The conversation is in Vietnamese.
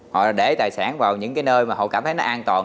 họ là để tài sản vào những cái nơi mà họ cảm thấy nó an toàn